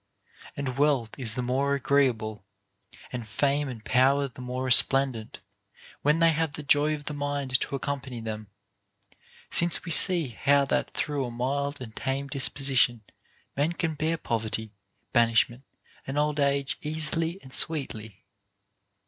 And wealth is the more agreeable, and fame and power the more resplendent, when they have the joy of the mind to accompany them ; since we see how that through a mild and tame disposition men can bear poverty, banishment, and old age easily and sweetly.